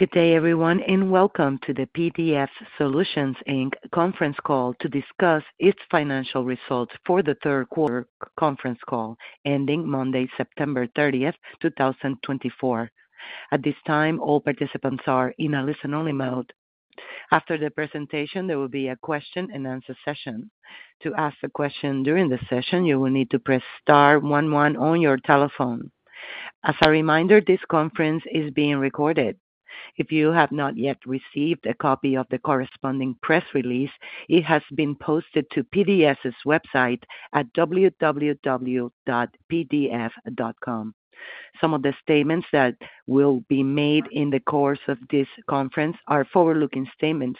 Good day, everyone, and welcome to the PDF Solutions, Inc. conference call to discuss its financial results for the third quarter. Conference call ending Monday, September 30th, 2024. At this time, all participants are in a listen-only mode. After the presentation, there will be a question-and-answer session. To ask a question during the session, you will need to press star 11 on your telephone. As a reminder, this conference is being recorded. If you have not yet received a copy of the corresponding press release, it has been posted to PDF's website at www.pdf.com. Some of the statements that will be made in the course of this conference are forward-looking statements,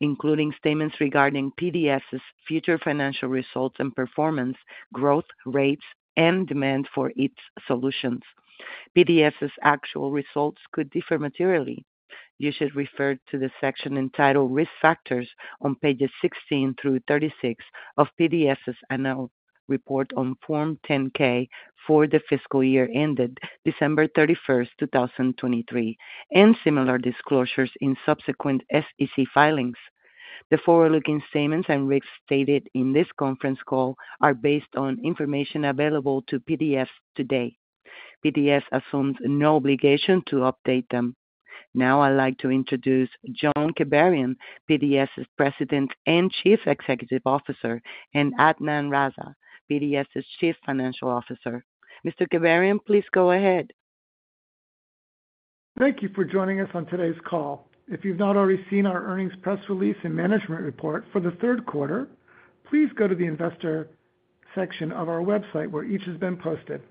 including statements regarding PDF's future financial results and performance, growth rates, and demand for its solutions. PDF's actual results could differ materially. You should refer to the section entitled Risk Factors on pages 16 through 36 of PDF's Annual Report on Form 10-K for the fiscal year ended December 31st, 2023, and similar disclosures in subsequent SEC filings. The forward-looking statements and risks stated in this conference call are based on information available to PDF's today. PDF's assumes no obligation to update them. Now, I'd like to introduce John Kibarian, PDF's President and Chief Executive Officer, and Adnan Raza, PDF's Chief Financial Officer. Mr. Kibarian, please go ahead. Thank you for joining us on today's call. If you've not already seen our earnings press release and management report for the third quarter, please go to the investor section of our website where each has been posted.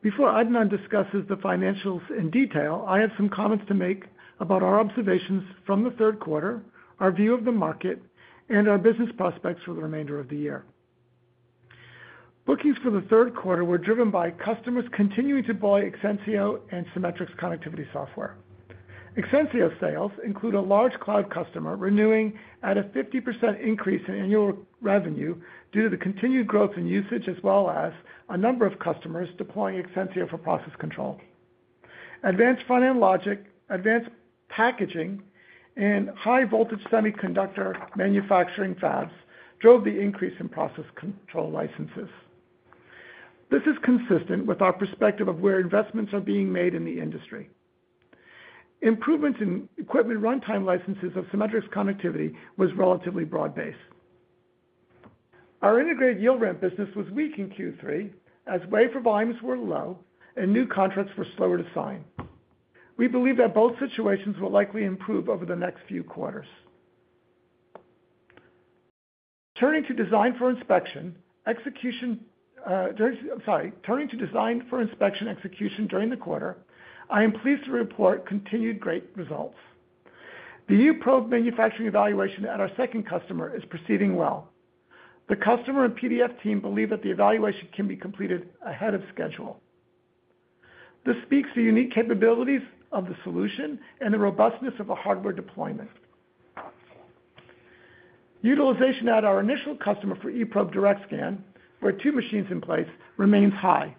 Before Adnan discusses the financials in detail, I have some comments to make about our observations from the third quarter, our view of the market, and our business prospects for the remainder of the year. Bookings for the third quarter were driven by customers continuing to buy Exensio and Symmetrix connectivity software. Exensio sales include a large cloud customer renewing at a 50% increase in annual revenue due to the continued growth in usage, as well as a number of customers deploying Exensio for process control. Advanced front-end logic, advanced packaging, and high-voltage semiconductor manufacturing fabs drove the increase in process control licenses. This is consistent with our perspective of where investments are being made in the industry. Improvements in equipment runtime licenses of Symmetrix connectivity were relatively broad-based. Our integrated yield ramp business was weak in Q3 as wafer volumes were low and new contracts were slower to sign. We believe that both situations will likely improve over the next few quarters. Turning to design for inspection execution during the quarter, I am pleased to report continued great results. The eProbe manufacturing evaluation at our second customer is proceeding well. The customer and PDF team believe that the evaluation can be completed ahead of schedule. This speaks to unique capabilities of the solution and the robustness of the hardware deployment. Utilization at our initial customer for eProbe direct scan, where two machines in place, remains high.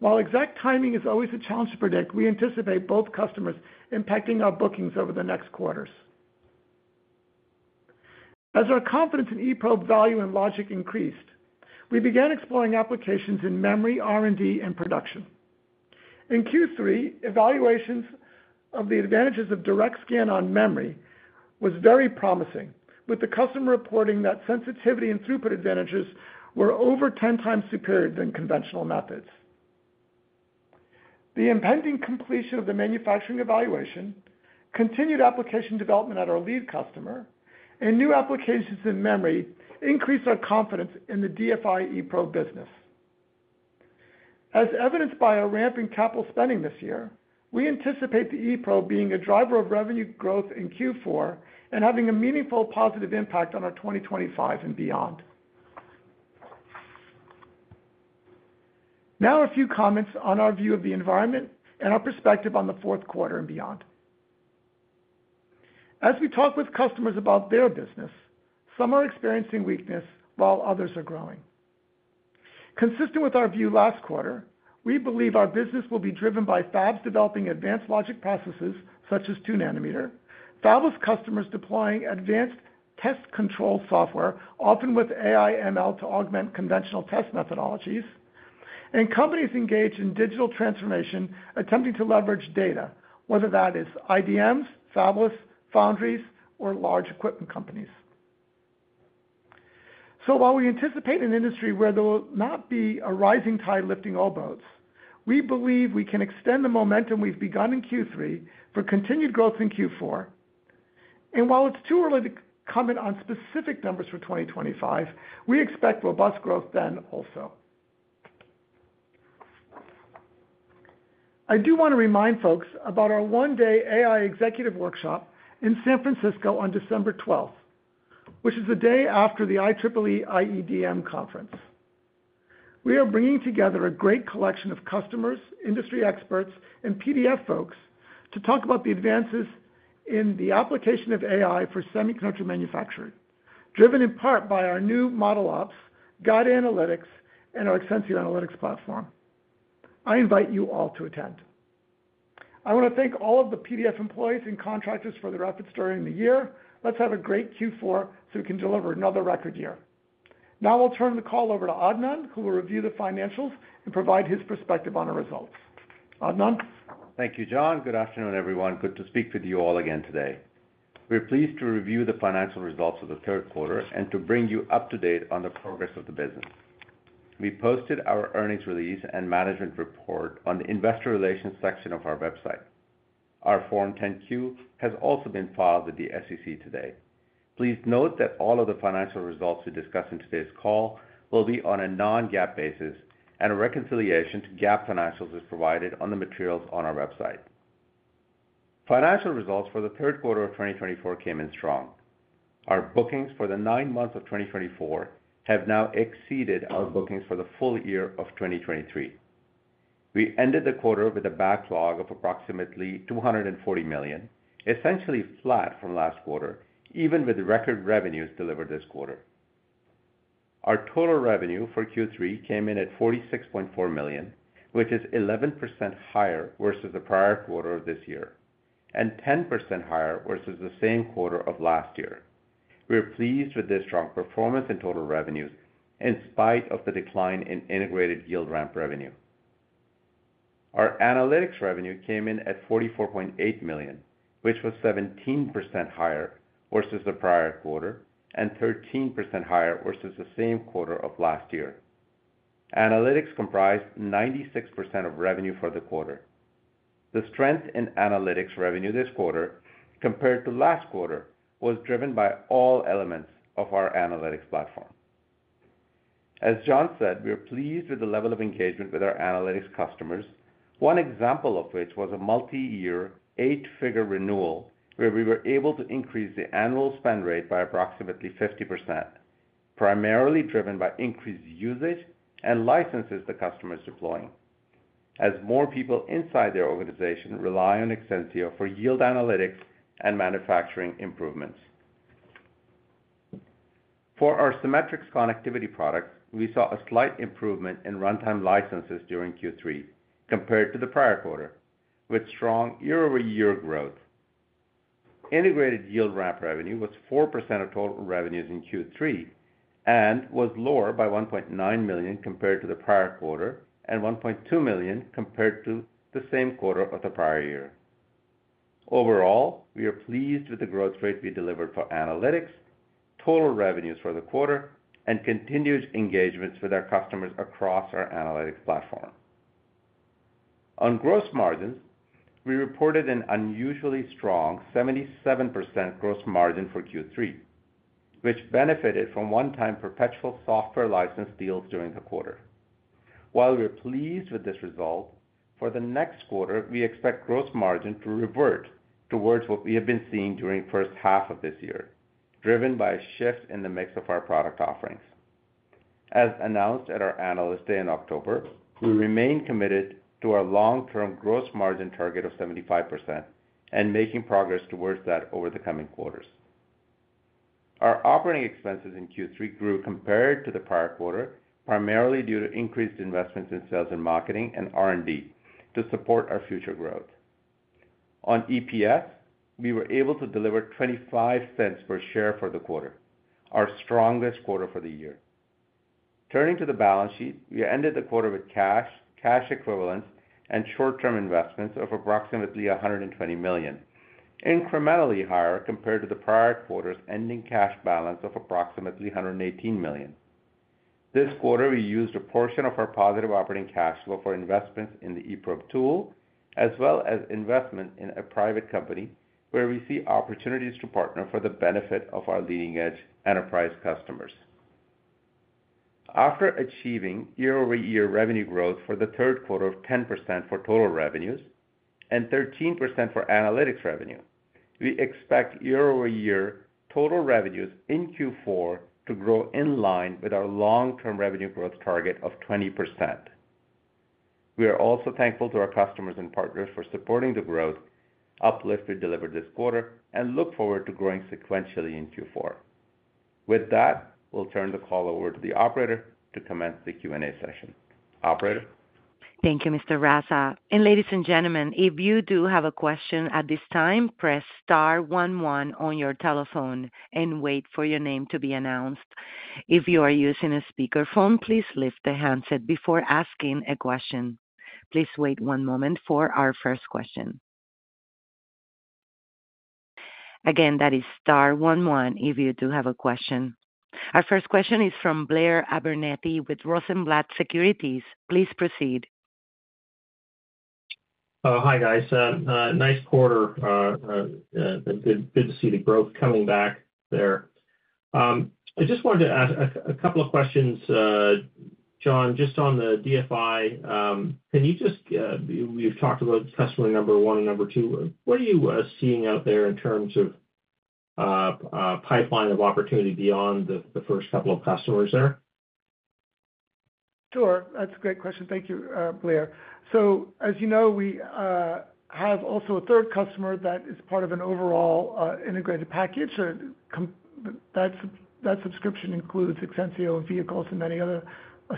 While exact timing is always a challenge to predict, we anticipate both customers impacting our bookings over the next quarters. As our confidence in eProbe value and logic increased, we began exploring applications in memory, R&D, and production. In Q3, evaluations of the advantages of direct scan on memory were very promising, with the customer reporting that sensitivity and throughput advantages were over 10x superior than conventional methods. The impending completion of the manufacturing evaluation, continued application development at our lead customer, and new applications in memory increased our confidence in the DFI eProbe business. As evidenced by our ramping capital spending this year, we anticipate the eProbe being a driver of revenue growth in Q4 and having a meaningful positive impact on our 2025 and beyond. Now, a few comments on our view of the environment and our perspective on the fourth quarter and beyond. As we talk with customers about their business, some are experiencing weakness while others are growing. Consistent with our view last quarter, we believe our business will be driven by fabs developing advanced logic processes such as two-nanometer, fabless customers deploying advanced test control software, often with AI/ML to augment conventional test methodologies, and companies engaged in digital transformation attempting to leverage data, whether that is IDMs, fabless, foundries, or large equipment companies. So while we anticipate an industry where there will not be a rising tide lifting all boats, we believe we can extend the momentum we've begun in Q3 for continued growth in Q4. And while it's too early to comment on specific numbers for 2025, we expect robust growth then also. I do want to remind folks about our one-day AI executive workshop in San Francisco on December 12th, which is a day after the IEEE IEDM conference. We are bringing together a great collection of customers, industry experts, and PDF folks to talk about the advances in the application of AI for semiconductor manufacturing, driven in part by our new ModelOps, Guided Analytics, and our Exensio analytics platform. I invite you all to attend. I want to thank all of the PDF employees and contractors for their efforts during the year. Let's have a great Q4 so we can deliver another record year. Now I'll turn the call over to Adnan, who will review the financials and provide his perspective on our results. Adnan. Thank you, John. Good afternoon, everyone. Good to speak with you all again today. We're pleased to review the financial results of the third quarter and to bring you up to date on the progress of the business. We posted our earnings release and management report on the investor relations section of our website. Our Form 10-Q has also been filed with the SEC today. Please note that all of the financial results we discuss in today's call will be on a non-GAAP basis, and a reconciliation to GAAP financials is provided on the materials on our website. Financial results for the third quarter of 2024 came in strong. Our bookings for the nine months of 2024 have now exceeded our bookings for the full year of 2023. We ended the quarter with a backlog of approximately $240 million, essentially flat from last quarter, even with record revenues delivered this quarter. Our total revenue for Q3 came in at $46.4 million, which is 11% higher versus the prior quarter of this year and 10% higher versus the same quarter of last year. We're pleased with this strong performance and total revenues in spite of the decline in integrated yield ramp revenue. Our analytics revenue came in at $44.8 million, which was 17% higher versus the prior quarter and 13% higher versus the same quarter of last year. Analytics comprised 96% of revenue for the quarter. The strength in analytics revenue this quarter, compared to last quarter, was driven by all elements of our analytics platform. As John said, we're pleased with the level of engagement with our analytics customers, one example of which was a multi-year, eight-figure renewal where we were able to increase the annual spend rate by approximately 50%, primarily driven by increased usage and licenses the customers deploying, as more people inside their organization rely on Exensio for yield analytics and manufacturing improvements. For our Symmetrix connectivity products, we saw a slight improvement in runtime licenses during Q3 compared to the prior quarter, with strong year-over-year growth. Integrated yield ramp revenue was 4% of total revenues in Q3 and was lower by $1.9 million compared to the prior quarter and $1.2 million compared to the same quarter of the prior year. Overall, we are pleased with the growth rate we delivered for analytics, total revenues for the quarter, and continued engagements with our customers across our analytics platform. On gross margins, we reported an unusually strong 77% gross margin for Q3, which benefited from one-time perpetual software license deals during the quarter. While we're pleased with this result, for the next quarter, we expect gross margin to revert towards what we have been seeing during the first half of this year, driven by a shift in the mix of our product offerings. As announced at our analyst day in October, we remain committed to our long-term gross margin target of 75% and making progress towards that over the coming quarters. Our operating expenses in Q3 grew compared to the prior quarter, primarily due to increased investments in sales and marketing and R&D to support our future growth. On EPS, we were able to deliver $0.25 per share for the quarter, our strongest quarter for the year. Turning to the balance sheet, we ended the quarter with cash, cash equivalents, and short-term investments of approximately $120 million, incrementally higher compared to the prior quarter's ending cash balance of approximately $118 million. This quarter, we used a portion of our positive operating cash flow for investments in the eProbe tool, as well as investment in a private company where we see opportunities to partner for the benefit of our leading-edge enterprise customers. After achieving year-over-year revenue growth for the third quarter of 10% for total revenues and 13% for analytics revenue, we expect year-over-year total revenues in Q4 to grow in line with our long-term revenue growth target of 20%. We are also thankful to our customers and partners for supporting the growth uplift we delivered this quarter and look forward to growing sequentially in Q4. With that, we'll turn the call over to the operator to commence the Q&A session. Operator. Thank you, Mr. Raza. And ladies and gentlemen, if you do have a question at this time, press star 11 on your telephone and wait for your name to be announced. If you are using a speakerphone, please lift the handset before asking a question. Please wait one moment for our first question. Again, that is star 11 if you do have a question. Our first question is from Blair Abernethy with Rosenblatt Securities. Please proceed. Hi, guys. Nice quarter. Good to see the growth coming back there. I just wanted to ask a couple of questions, John, just on the DFI. Can you just—we've talked about customer number one and number two. What are you seeing out there in terms of pipeline of opportunity beyond the first couple of customers there? Sure. That's a great question. Thank you, Blair. So as you know, we have also a third customer that is part of an overall integrated package. That subscription includes Exensio and Veeco and many other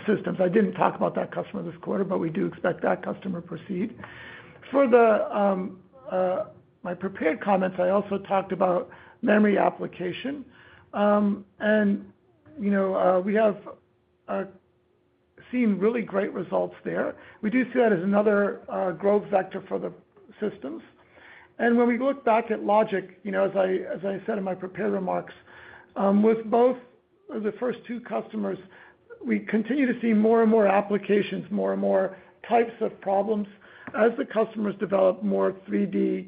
systems. I didn't talk about that customer this quarter, but we do expect that customer to proceed. For my prepared comments, I also talked about memory application. And we have seen really great results there. We do see that as another growth vector for the systems. And when we look back at logic, as I said in my prepared remarks, with both of the first two customers, we continue to see more and more applications, more and more types of problems as the customers develop more 3D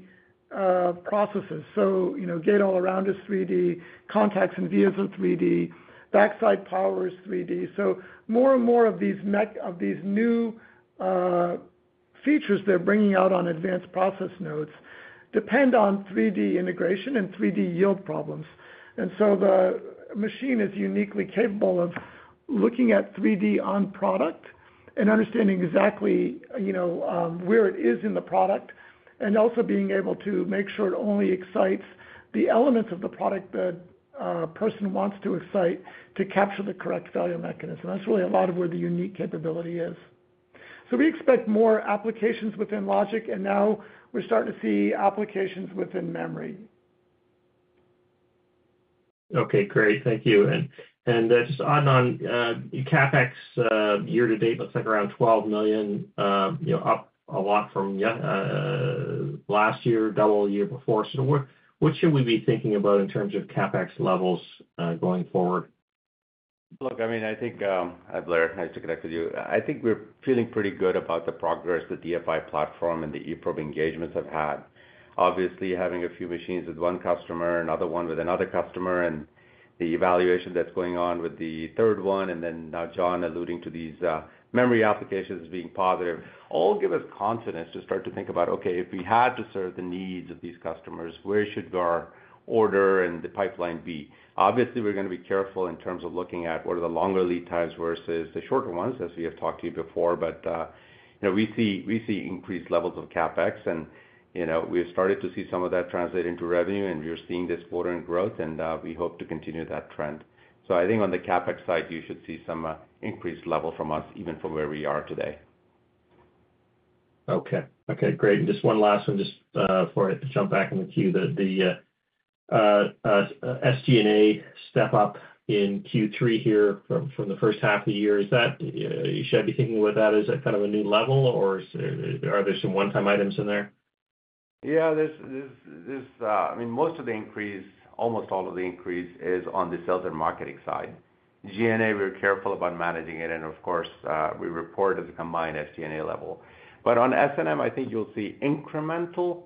processes. So Gate-All-Around is 3D, contacts and vias are 3D, backside power is 3D. So more and more of these new features they're bringing out on advanced process nodes depend on 3D integration and 3D yield problems. And so the machine is uniquely capable of looking at 3D on product and understanding exactly where it is in the product and also being able to make sure it only excites the elements of the product the person wants to excite to capture the correct value mechanism. That's really a lot of where the unique capability is. So we expect more applications within logic, and now we're starting to see applications within memory. Okay, great. Thank you. And just add on, CapEx year to date looks like around $12 million, up a lot from last year, double the year before. So what should we be thinking about in terms of CapEx levels going forward? Look, I mean, I think, Blair, nice to connect with you. I think we're feeling pretty good about the progress the DFI platform and the eProbe engagements have had. Obviously, having a few machines with one customer, another one with another customer, and the evaluation that's going on with the third one, and then now John alluding to these memory applications being positive, all give us confidence to start to think about, okay, if we had to serve the needs of these customers, where should our order and the pipeline be? Obviously, we're going to be careful in terms of looking at what are the longer lead times versus the shorter ones, as we have talked to you before, but we see increased levels of CapEx, and we've started to see some of that translate into revenue, and we're seeing this quarter in growth, and we hope to continue that trend. So I think on the CapEx side, you should see some increased level from us, even from where we are today. Okay. Okay, great. Just one last one, just for it to jump back into the queue, the SG&A step-up in Q3 here from the first half of the year. You should be thinking with that as a kind of a new level, or are there some one-time items in there? Yeah, I mean, most of the increase, almost all of the increase, is on the sales and marketing side. G&A, we're careful about managing it, and of course, we report as a combined SG&A level. But on S&M, I think you'll see incremental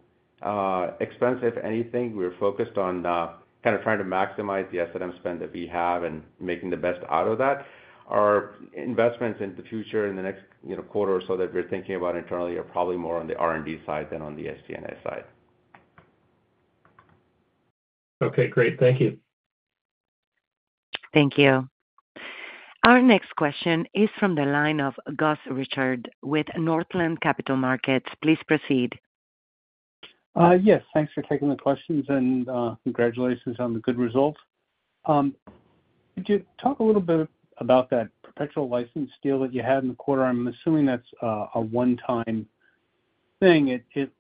expense, if anything. We're focused on kind of trying to maximize the S&M spend that we have and making the best out of that. Our investments in the future, in the next quarter or so that we're thinking about internally, are probably more on the R&D side than on the SG&A side. Okay, great. Thank you. Thank you. Our next question is from the line of Gus Richard with Northland Capital Markets. Please proceed. Yes, thanks for taking the questions and congratulations on the good results. Could you talk a little bit about that perpetual license deal that you had in the quarter? I'm assuming that's a one-time thing. It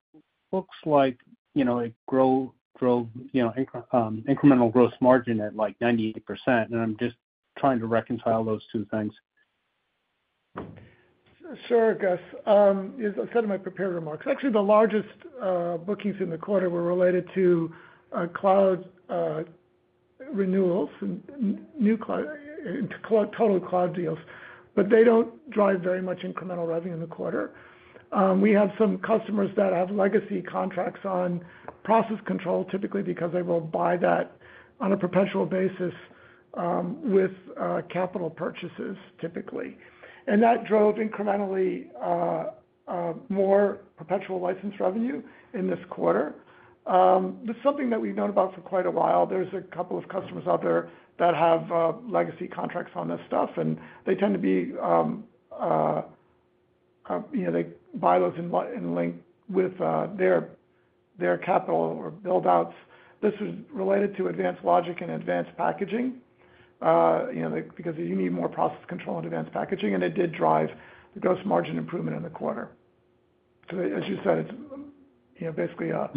looks like it drove incremental gross margin at like 98%, and I'm just trying to reconcile those two things. Sure, Gus. As I said in my prepared remarks, actually, the largest bookings in the quarter were related to cloud renewals and total cloud deals, but they don't drive very much incremental revenue in the quarter. We have some customers that have legacy contracts on process control, typically because they will buy that on a perpetual basis with capital purchases, typically, and that drove incrementally more perpetual license revenue in this quarter. That's something that we've known about for quite a while. There's a couple of customers out there that have legacy contracts on this stuff, and they tend to be—they buy those in line with their capital or buildouts. This was related to advanced logic and advanced packaging because you need more process control and advanced packaging, and it did drive the gross margin improvement in the quarter, so as you said, it's basically a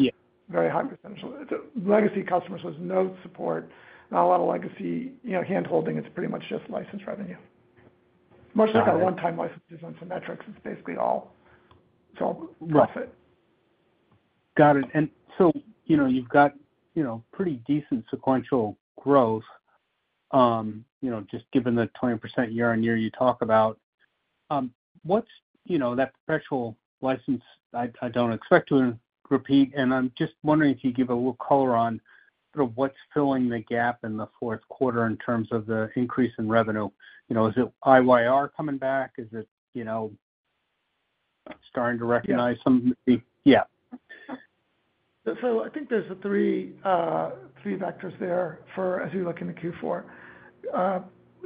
very high percentage. Legacy customers with no support, not a lot of legacy handholding. It's pretty much just license revenue. Much like our one-time licenses on Symmetrix. It's basically all self-profit. Got it. And so you've got pretty decent sequential growth just given the 20% year-on-year you talk about. What's that perpetual license? I don't expect to repeat, and I'm just wondering if you give a little color on sort of what's filling the gap in the fourth quarter in terms of the increase in revenue. Is it IYR coming back? Is it starting to recognize some of the, yeah. So I think there's three vectors there as we look in the Q4.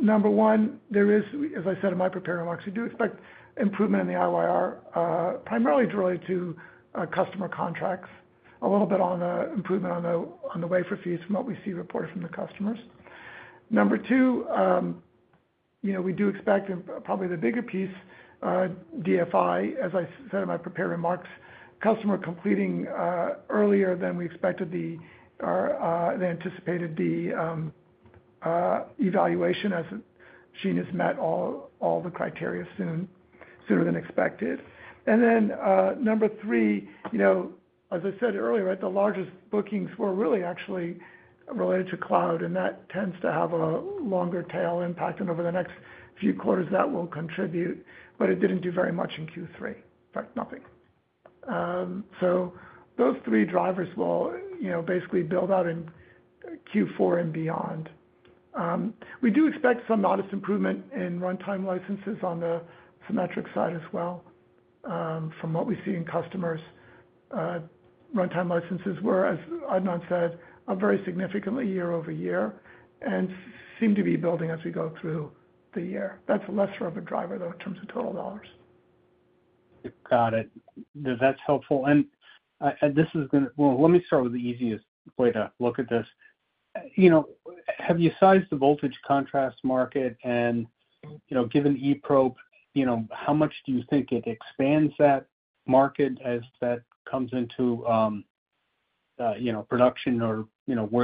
Number one, there is, as I said in my prepared remarks, we do expect improvement in the IYR, primarily related to customer contracts, a little bit on the improvement on the wafer fees from what we see reported from the customers. Number two, we do expect probably the bigger piece, DFI, as I said in my prepared remarks, customer completing earlier than we expected the anticipated evaluation as she has met all the criteria sooner than expected. And then number three, as I said earlier, the largest bookings were really actually related to cloud, and that tends to have a longer tail impact, and over the next few quarters, that will contribute, but it didn't do very much in Q3. In fact, nothing. So those three drivers will basically build out in Q4 and beyond. We do expect some modest improvement in runtime licenses on the Symmetrix side as well from what we see in customers. Runtime licenses were, as Adnan said, very significantly year-over-year and seem to be building as we go through the year. That's less of a driver, though, in terms of total dollars. Got it. That's helpful. And this is going to, well, let me start with the easiest way to look at this. Have you sized the voltage contrast market? And given eProbe, how much do you think it expands that market as that comes into production or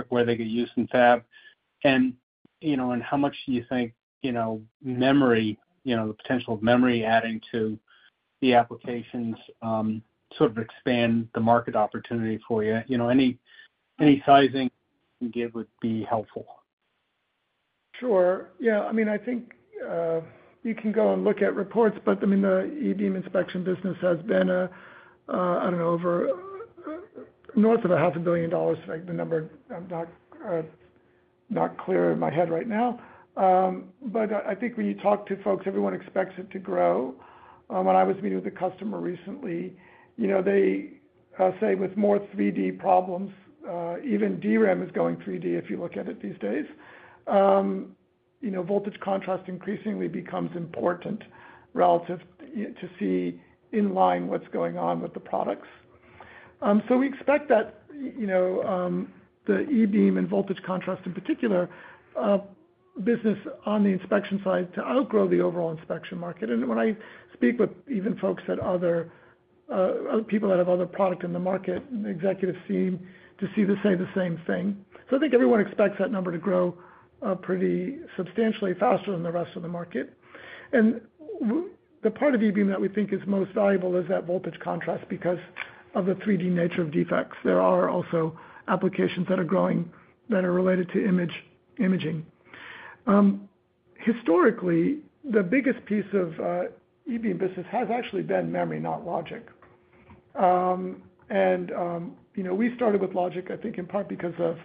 where they get used in fab? And how much do you think memory, the potential of memory adding to the applications, sort of expand the market opportunity for you? Any sizing you can give would be helpful. Sure. Yeah. I mean, I think you can go and look at reports, but I mean, the e-beam inspection business has been I don't know over $500 million. The number, I'm not clear in my head right now. But I think when you talk to folks, everyone expects it to grow. When I was meeting with a customer recently, they say with more 3D problems, even DRAM is going 3D if you look at it these days. Voltage contrast increasingly becomes important relative to see in line going on with the products. So we expect that the e-beam and voltage contrast in particular business on the inspection side to outgrow the overall inspection market. And when I speak with even folks at other people that have other products in the market, the executive seem to say the same thing. So I think everyone expects that number to grow pretty substantially faster than the rest of the market. And the part of that we think is most valuable is that voltage contrast because of the 3D nature of defects. There are also applications that are growing that are related to imaging. Historically, the biggest piece of e-beam business has actually been memory, not logic. And we started with logic, I think in part because of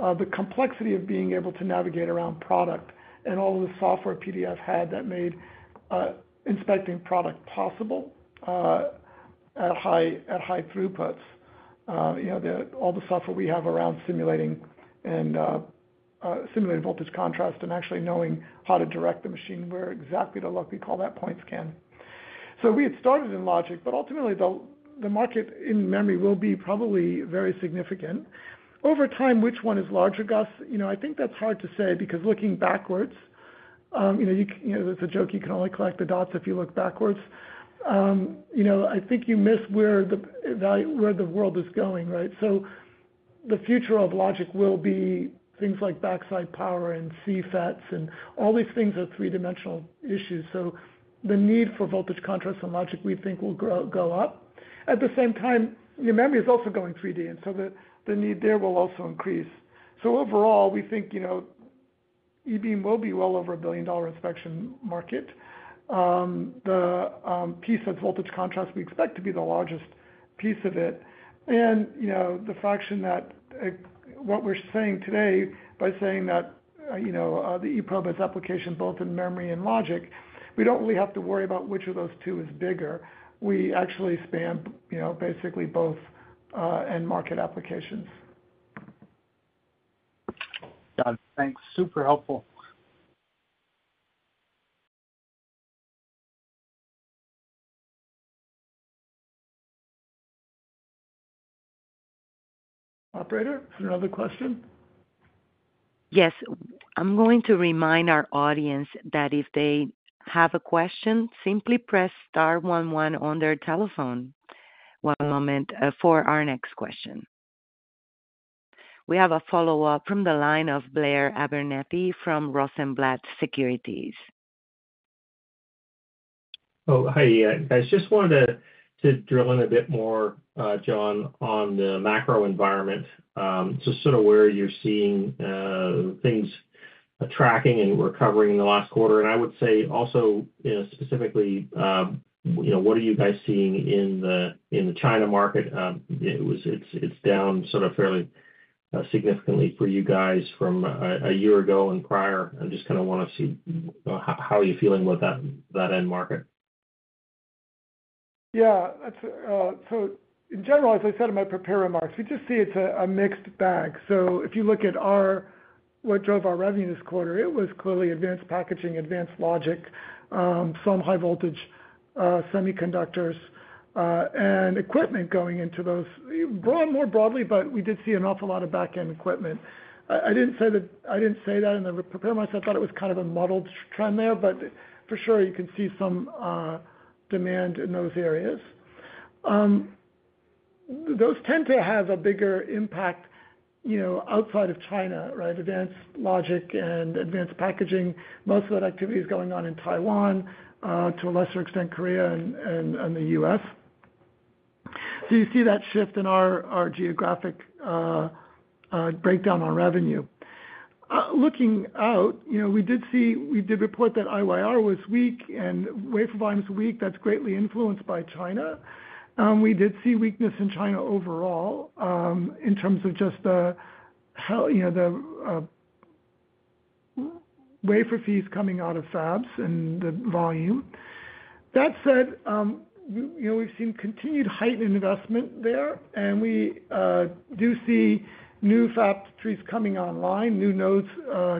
the complexity of being able to navigate around product and all of the software PDF had that made inspecting product possible at high throughputs. All the software we have around simulating voltage contrast and actually knowing how to direct the machine where exactly to look, we call that point scan. So we had started in logic, but ultimately, the market in memory will be probably very significant. Over time, which one is larger, Gus? I think that's hard to say because looking backwards, it's a joke. You can only collect the dots if you look backwards. I think you miss where the world is going, right? So the future of logic will be things like backside power and CFETs and all these things are three-dimensional issues. So the need for voltage contrast and logic, we think, will grow up. At the same time, memory is also going 3D, and so the need there will also increase. So overall, we think e-beam will be well over a $1 billion inspection market. The piece that's voltage contrast, we expect to be the largest piece of it. And the fraction that what we're saying today by saying that the eProbe has application both in memory and logic, we don't really have to worry about which of those two is bigger. We actually span basically both end market applications. Got it. Thanks. Super helpful. Operator, another question? Yes. I'm going to remind our audience that if they have a question, simply press star 11 on their telephone. One moment for our next question. We have a follow-up from the line of Blair Abernethy from Rosenblatt Securities. Oh, hi, guys. Just wanted to drill in a bit more, John, on the macro environment, so sort of where you're seeing things tracking and recovering in the last quarter. And I would say also specifically, what are you guys seeing in the China market? It's down sort of fairly significantly for you guys from a year ago and prior. I just kind of want to see how you're feeling with that end market. Yeah. So in general, as I said in my prepared remarks, we just see it's a mixed bag. So if you look at what drove our revenue this quarter, it was clearly advanced packaging, advanced logic, some high-voltage semiconductors, and equipment going into those more broadly, but we did see an awful lot of back-end equipment. I didn't say that in the prepared remarks. I thought it was kind of a muddled trend there, but for sure, you can see some demand in those areas. Those tend to have a bigger impact outside of China, right? Advanced logic and advanced packaging, most of that activity is going on in Taiwan, to a lesser extent, Korea and the U.S. So you see that shift in our geographic breakdown on revenue. Looking out, we did report that IYR was weak and wafer volume is weak. That's greatly influenced by China. We did see weakness in China overall in terms of just the wafer fees coming out of fabs and the volume. That said, we've seen continued heightened investment there, and we do see new fab trees coming online, new nodes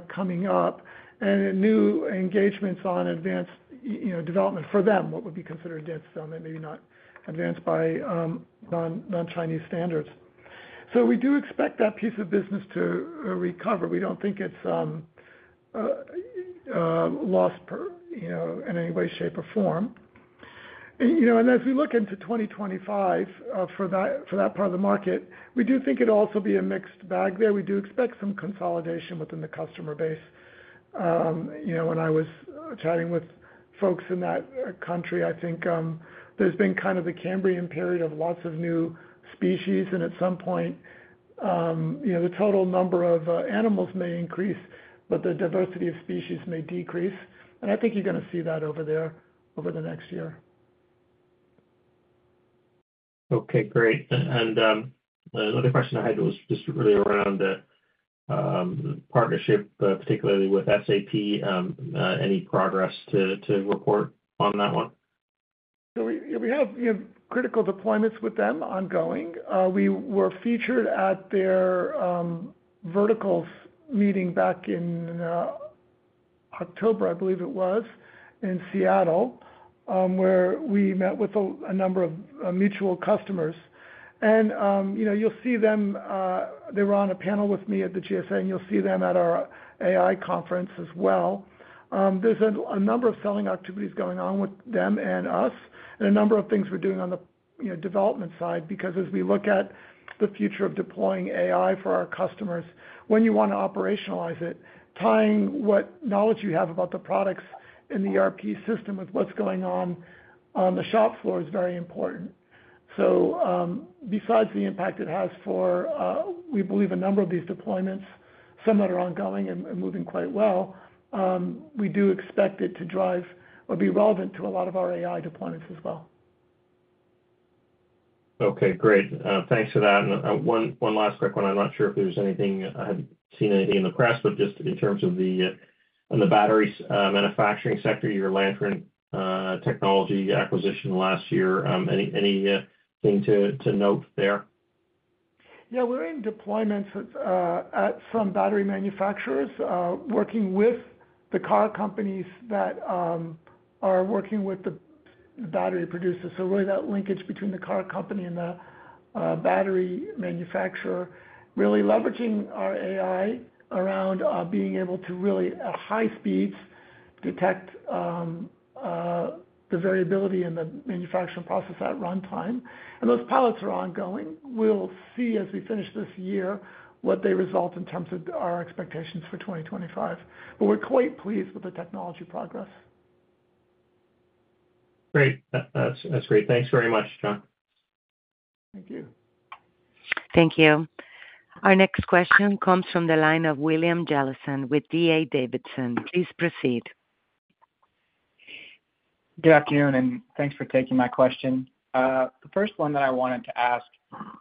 coming up, and new engagements on advanced development for them, what would be considered advanced development, maybe not advanced by non-Chinese standards, so we do expect that piece of business to recover. We don't think it's lost in any way, shape, or form, and as we look into 2025 for that part of the market, we do think it'll also be a mixed bag there. We do expect some consolidation within the customer base. When I was chatting with folks in that country, I think there's been kind of the Cambrian period of lots of new species, and at some point, the total number of animals may increase, but the diversity of species may decrease, and I think you're going to see that over there over the next year. Okay, great, and another question I had was just really around the partnership, particularly with SAP. Any progress to report on that one? So we have critical deployments with them ongoing. We were featured at their verticals meeting back in October, I believe it was, in Seattle, where we met with a number of mutual customers. And you'll see them. They were on a panel with me at the GSA, and you'll see them at our AI conference as well. There's a number of selling activities going on with them and us and a number of things we're doing on the development side because as we look at the future of deploying AI for our customers, when you want to operationalize it, tying what knowledge you have about the products and the ERP system with what's going on on the shop floor is very important. So, besides the impact it has for, we believe, a number of these deployments, some that are ongoing and moving quite well, we do expect it to drive or be relevant to a lot of our AI deployments as well. Okay, great. Thanks for that. And one last quick one. I'm not sure if there's anything I hadn't seen in the press, but just in terms of the battery manufacturing sector, your Lantern technology acquisition last year, anything to note there? Yeah. We're in deployments from battery manufacturers working with the car companies that are working with the battery producers. So really, that linkage between the car company and the battery manufacturer, really leveraging our AI around being able to really at high speeds detect the variability in the manufacturing process at runtime. And those pilots are ongoing. We'll see as we finish this year what they result in terms of our expectations for 2025. But we're quite pleased with the technology progress. Great. That's great. Thanks very much, John. Thank you. Thank you. Our next question comes from the line of William Jellison with DA Davidson. Please proceed. Good afternoon, and thanks for taking my question. The first one that I wanted to ask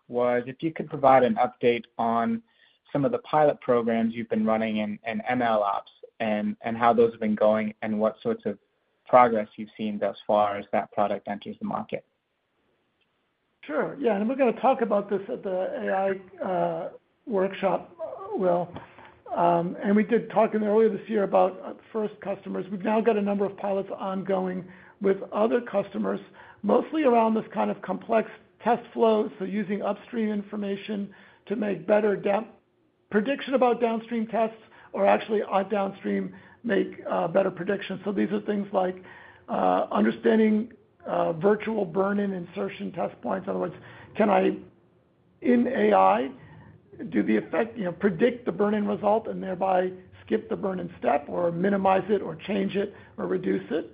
was if you could provide an update on some of the pilot programs you've been running in MLOps and how those have been going and what sorts of progress you've seen thus far as that product enters the market. Sure. Yeah. And we're going to talk about this at the AI workshop. And we did talk earlier this year about first customers. We've now got a number of pilots ongoing with other customers, mostly around this kind of complex test flow. So using upstream information to make better prediction about downstream tests or actually on downstream make better predictions. So these are things like understanding virtual burn-in insertion test points. In other words, can I in AI do the effect predict the burn-in result and thereby skip the burn-in step or minimize it or change it or reduce it?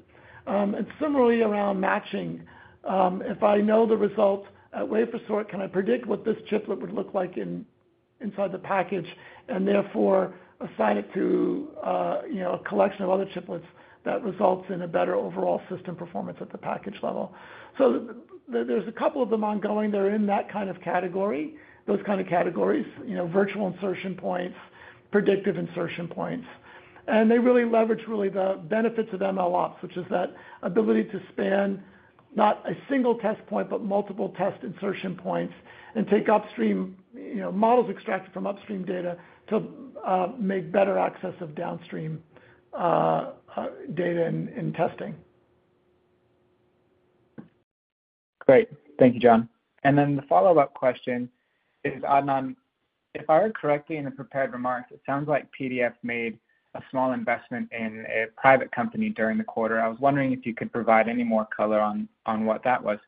And similarly around matching, if I know the result at wafer sort, can I predict what this chiplet would look like inside the package and therefore assign it to a collection of other chiplets that results in a better overall system performance at the package level. So there's a couple of them ongoing. They're in that kind of category, those kind of categories, virtual insertion points, predictive insertion points. And they really leverage the benefits of MLOps, which is that ability to span not a single test point, but multiple test insertion points and take upstream models extracted from upstream data to make better access of downstream data and testing. Great. Thank you, John. And then the follow-up question is, Adnan, if I heard correctly in the prepared remarks, it sounds like PDF made a small investment in a private company during the quarter. I was wondering if you could provide any more color on what that was.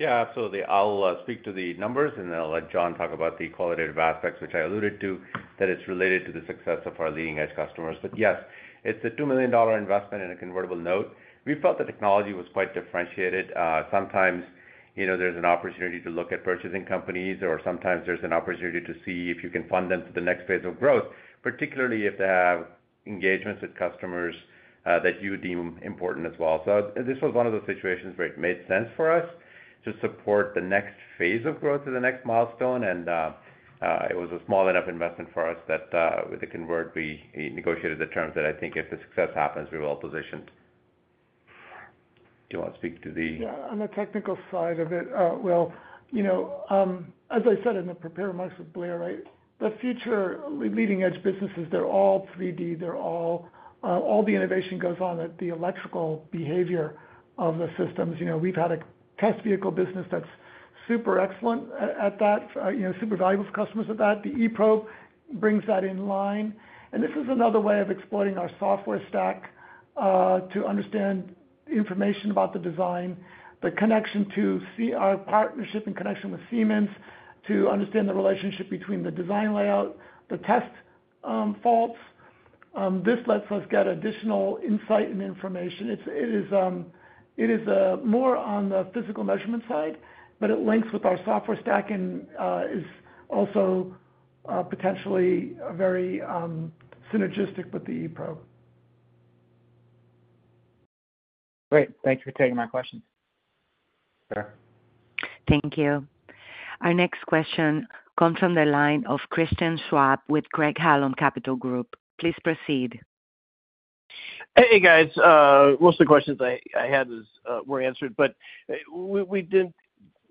Yeah, absolutely. I'll speak to the numbers, and then I'll let John talk about the qualitative aspects, which I alluded to, that it's related to the success of our leading-edge customers. But yes, it's a $2 million investment in a convertible note. We felt the technology was quite differentiated. Sometimes there's an opportunity to look at purchasing companies, or sometimes there's an opportunity to see if you can fund them to the next phase of growth, particularly if they have engagements with customers that you deem important as well. So this was one of those situations where it made sense for us to support the next phase of growth to the next milestone. And it was a small enough investment for us that with the convert, we negotiated the terms that I think if the success happens, we're well positioned. Do you want to speak to the? Yeah. On the technical side of it, well, as I said in the prepared remarks with Blair, right, the future leading-edge businesses, they're all 3D. All the innovation goes on at the electrical behavior of the systems. We've had a test vehicle business that's super excellent at that, super valuable for customers at that. The eProbe brings that in line. And this is another way of exploiting our software stack to understand information about the design, the connection to our partnership and connection with Siemens to understand the relationship between the design layout, the test faults. This lets us get additional insight and information. It is more on the physical measurement side, but it links with our software stack and is also potentially very synergistic with the eProbe. Great. Thanks for taking my questions. Sure. Thank you. Our next question comes from the line of Christian Schwab with Craig Hallum Capital Group. Please proceed. Hey, guys. Most of the questions I had were answered, but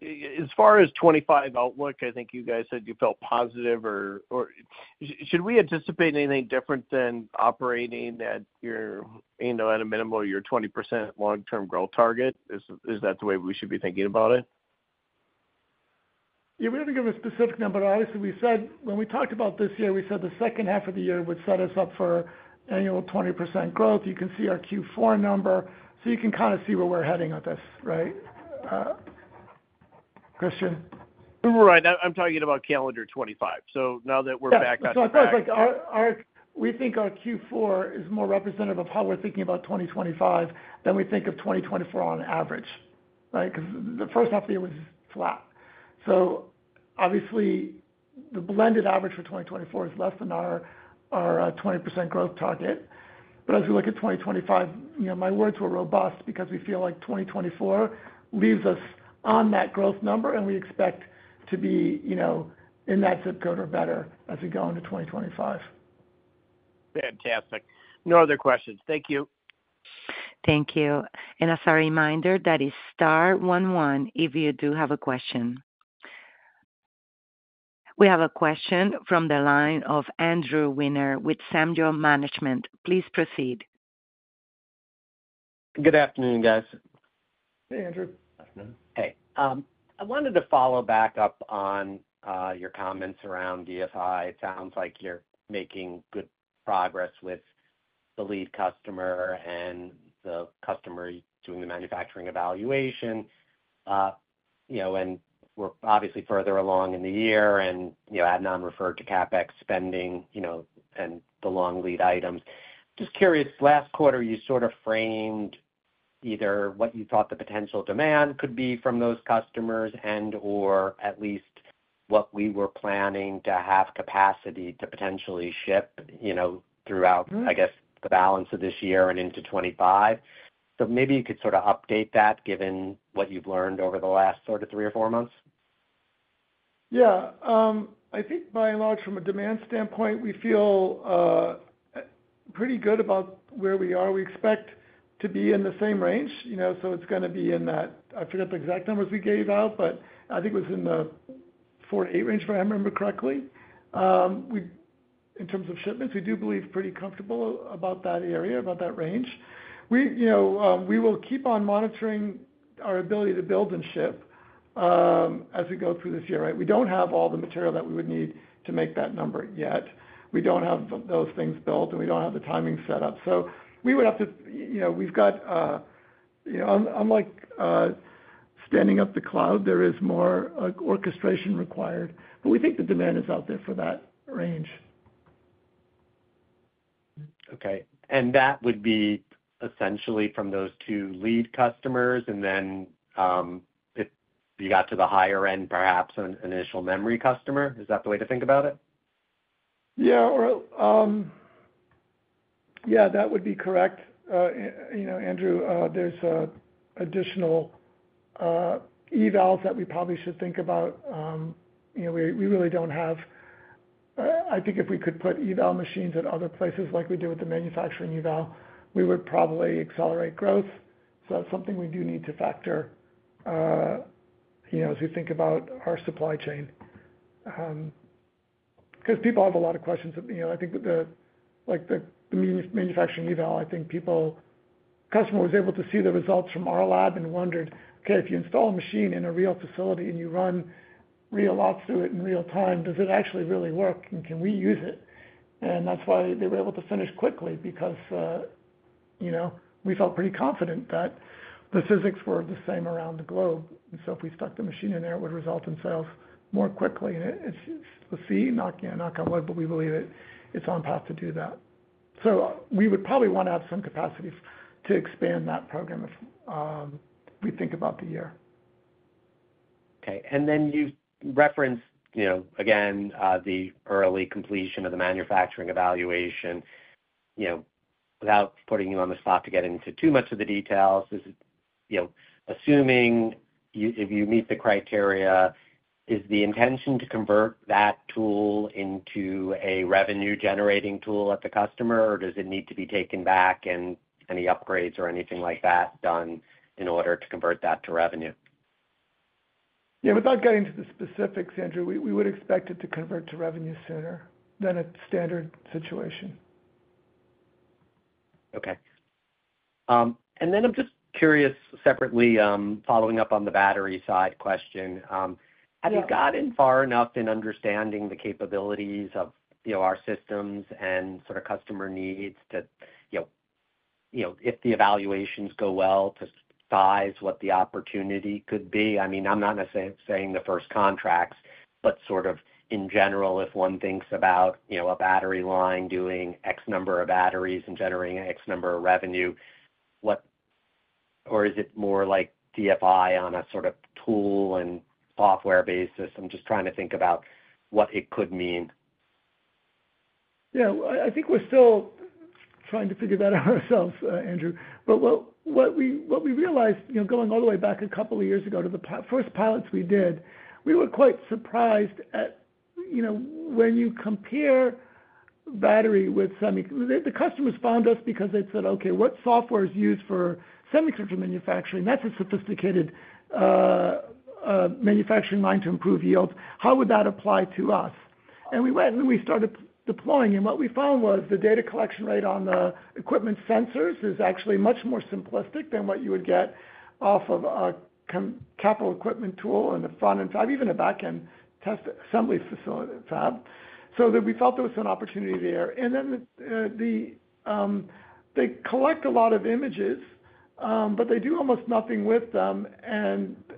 as far as 2025 outlook, I think you guys said you felt positive. Should we anticipate anything different than operating at a minimum of your 20% long-term growth target? Is that the way we should be thinking about it? Yeah. We haven't given a specific number. Obviously, when we talked about this year, we said the second half of the year would set us up for annual 20% growth. You can see our Q4 number. So you can kind of see where we're heading with this, right? Christian? Right. I'm talking about calendar 2025. So now that we're back at 2025. Yeah. So of course, we think our Q4 is more representative of how we're thinking about 2025 than we think of 2024 on average, right? Because the first half of the year was flat. So obviously, the blended average for 2024 is less than our 20% growth target. But as we look at 2025, my words were robust because we feel like 2024 leaves us on that growth number, and we expect to be in that zip code or better as we go into 2025. Fantastic. No other questions. Thank you. Thank you. And as a reminder, that is star one one if you do have a question. We have a question from the line of Andrew Winner with Samjo Management. Please proceed. Good afternoon, guys. Hey, Andrew. Good afternoon. Hey. I wanted to follow back up on your comments around DFI. It sounds like you're making good progress with the lead customer and the customer doing the manufacturing evaluation. And we're obviously further along in the year, and Adnan referred to CapEx spending and the long lead items. Just curious, last quarter, you sort of framed either what you thought the potential demand could be from those customers and/or at least what we were planning to have capacity to potentially ship throughout, I guess, the balance of this year and into 2025. So maybe you could sort of update that given what you've learned over the last sort of three or four months? Yeah. I think by and large, from a demand standpoint, we feel pretty good about where we are. We expect to be in the same range. So it's going to be in that. I forget the exact numbers we gave out, but I think it was in the 4-8 range if I remember correctly. In terms of shipments, we do believe pretty comfortable about that area, about that range. We will keep on monitoring our ability to build and ship as we go through this year, right? We don't have all the material that we would need to make that number yet. We don't have those things built, and we don't have the timing set up. So we would have to. We've got unlike standing up the cloud, there is more orchestration required. But we think the demand is out there for that range. Okay. And that would be essentially from those two lead customers, and then you got to the higher end, perhaps an initial memory customer. Is that the way to think about it? Yeah. Yeah, that would be correct. Andrew, there's additional evals that we probably should think about. We really don't have. I think if we could put eval machines at other places like we do with the manufacturing eval, we would probably accelerate growth. So that's something we do need to factor as we think about our supply chain. Because people have a lot of questions. I think the manufacturing eval. I think customer was able to see the results from our lab and wondered, "Okay, if you install a machine in a real facility and you run real ops through it in real time, does it actually really work? And can we use it?" And that's why they were able to finish quickly because we felt pretty confident that the physics were the same around the globe. If we stuck the machine in there, it would result in sales more quickly. It's a C, knock on wood, but we believe it's on path to do that. We would probably want to have some capacity to expand that program if we think about the year. Okay. And then you referenced, again, the early completion of the manufacturing evaluation. Without putting you on the spot to get into too much of the details, assuming if you meet the criteria, is the intention to convert that tool into a revenue-generating tool at the customer, or does it need to be taken back and any upgrades or anything like that done in order to convert that to revenue? Yeah. Without getting into the specifics, Andrew, we would expect it to convert to revenue sooner than a standard situation. Okay. And then I'm just curious separately, following up on the battery side question. Have you gotten far enough in understanding the capabilities of our systems and sort of customer needs that if the evaluations go well to size what the opportunity could be? I mean, I'm not saying the first contracts, but sort of in general, if one thinks about a battery line doing X number of batteries and generating X number of revenue, or is it more like DFI on a sort of tool and software basis? I'm just trying to think about what it could mean. Yeah. I think we're still trying to figure that out ourselves, Andrew. But what we realized going all the way back a couple of years ago to the first pilots we did, we were quite surprised at when you compare battery with semi, the customers found us because they said, "Okay, what software is used for semiconductor manufacturing? That's a sophisticated manufacturing line to improve yield. How would that apply to us?" And we went and we started deploying. And what we found was the data collection rate on the equipment sensors is actually much more simplistic than what you would get off of a capital equipment tool and a front-end fab, even a back-end assembly facility fab. So we felt there was an opportunity there. And then they collect a lot of images, but they do almost nothing with them.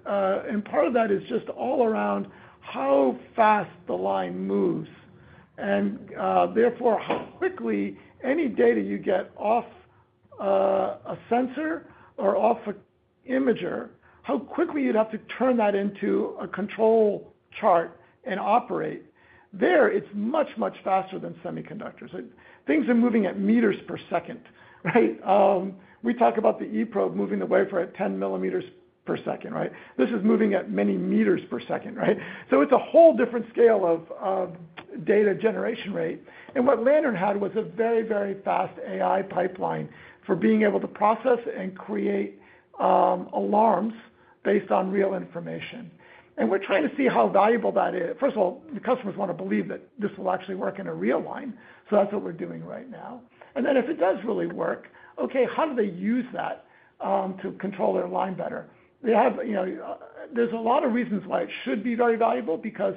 Part of that is just all around how fast the line moves and therefore how quickly any data you get off a sensor or off an imager, how quickly you'd have to turn that into a control chart and operate. There, it's much, much faster than semiconductors. Things are moving at meters per second, right? We talk about the eProbe moving at 10mm per second, right? This is moving at many meters per second, right? So it's a whole different scale of data generation rate. And what Lantern had was a very, very fast AI pipeline for being able to process and create alarms based on real information. And we're trying to see how valuable that is. First of all, the customers want to believe that this will actually work in a real line. So that's what we're doing right now. And then if it does really work, okay, how do they use that to control their line better? There's a lot of reasons why it should be very valuable because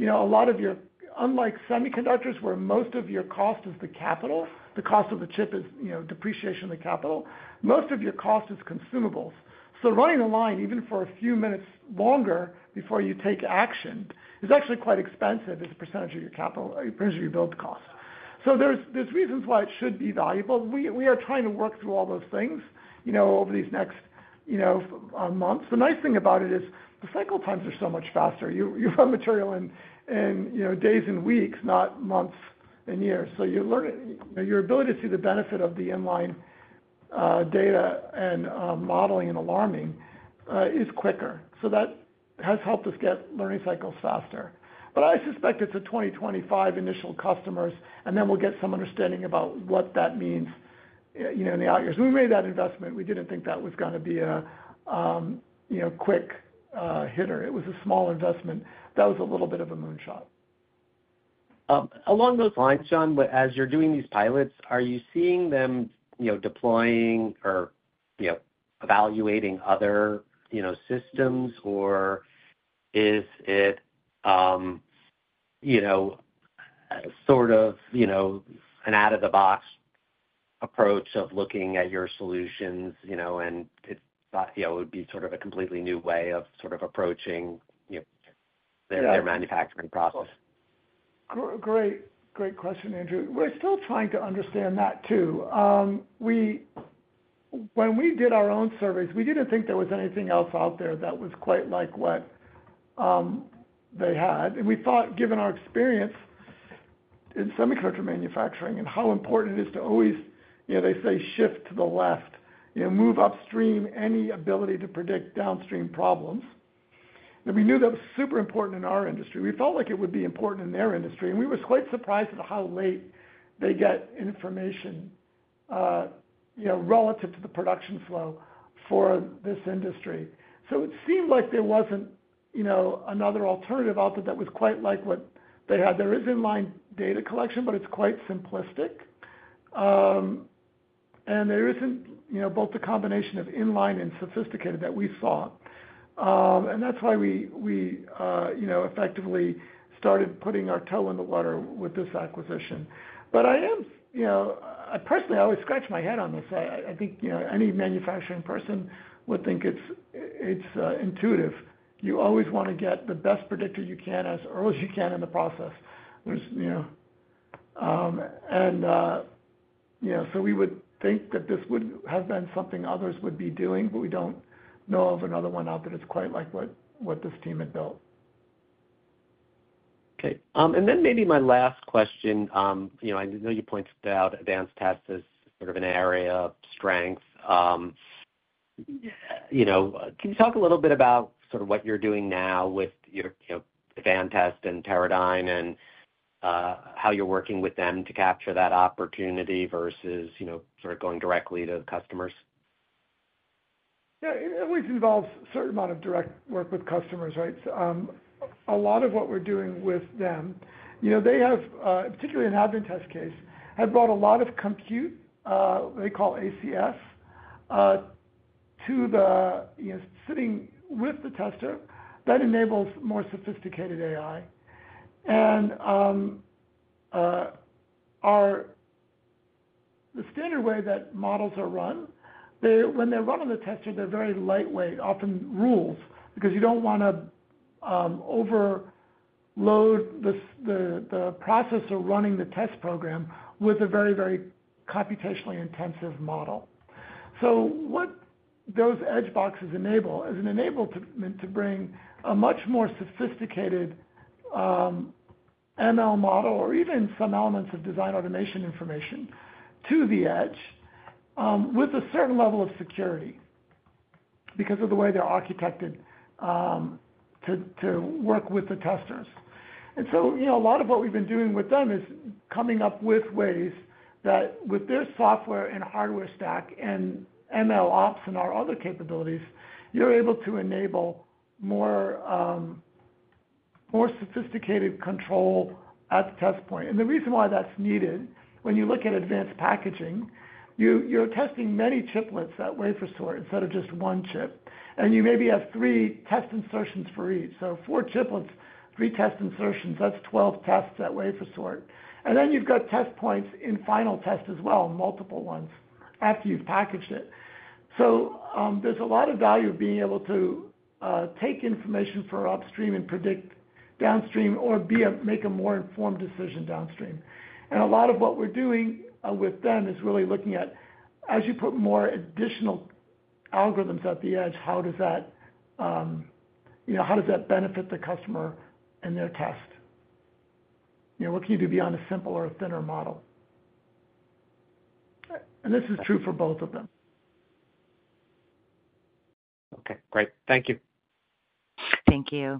a lot of your, unlike semiconductors, where most of your cost is the capital, the cost of the chip is depreciation of the capital, most of your cost is consumables. So running the line, even for a few minutes longer before you take action, is actually quite expensive as a percentage of your capital, percentage of your build cost. So there's reasons why it should be valuable. We are trying to work through all those things over these next months. The nice thing about it is the cycle times are so much faster. You run material in days and weeks, not months and years. So your ability to see the benefit of the inline data and modeling and alarming is quicker. So that has helped us get learning cycles faster. But I suspect it's a 2025 initial customers, and then we'll get some understanding about what that means in the out years. We made that investment. We didn't think that was going to be a quick hitter. It was a small investment. That was a little bit of a moonshot. Along those lines, John, as you're doing these pilots, are you seeing them deploying or evaluating other systems, or is it sort of an out-of-the-box approach of looking at your solutions and it would be sort of a completely new way of sort of approaching their manufacturing process? Great. Great question, Andrew. We're still trying to understand that too. When we did our own surveys, we didn't think there was anything else out there that was quite like what they had. And we thought, given our experience in semiconductor manufacturing and how important it is to always, they say, shift to the left, move upstream any ability to predict downstream problems. And we knew that was super important in our industry. We felt like it would be important in their industry. And we were quite surprised at how late they get information relative to the production flow for this industry. So it seemed like there wasn't another alternative out there that was quite like what they had. There is inline data collection, but it's quite simplistic. And there isn't both the combination of inline and sophisticated that we saw. And that's why we effectively started putting our toe in the water with this acquisition. But I personally always scratch my head on this. I think any manufacturing person would think it's intuitive. You always want to get the best predictor you can as early as you can in the process. And so we would think that this would have been something others would be doing, but we don't know of another one out there that's quite like what this team had built. Okay. And then maybe my last question. I know you pointed out Advanced Test as sort of an area of strength. Can you talk a little bit about sort of what you're doing now with Advantest and Teradyne and how you're working with them to capture that opportunity versus sort of going directly to customers? Yeah. It always involves a certain amount of direct work with customers, right? A lot of what we're doing with them, they have, particularly in Advantest case, brought a lot of compute they call ACS to the edge with the tester. That enables more sophisticated AI. And the standard way that models are run, when they're run on the tester, they're very lightweight, often rules, because you don't want to overload the processor running the test program with a very, very computationally intensive model. So what those edge boxes enable is an enablement to bring a much more sophisticated ML model or even some elements of design automation information to the edge with a certain level of security because of the way they're architected to work with the testers. And so a lot of what we've been doing with them is coming up with ways that with their software and hardware stack and MLOps and our other capabilities, you're able to enable more sophisticated control at the test point. And the reason why that's needed, when you look at advanced packaging, you're testing many chiplets that way for sort instead of just one chip. And you maybe have three test insertions for each. So four chiplets, three test insertions, that's 12 tests that way for sort. And then you've got test points in final test as well, multiple ones after you've packaged it. So there's a lot of value of being able to take information for upstream and predict downstream or make a more informed decision downstream. And a lot of what we're doing with them is really looking at, as you put more additional algorithms at the edge, how does that benefit the customer and their test? What can you do beyond a simple or a thinner model? And this is true for both of them. Okay. Great. Thank you. Thank you.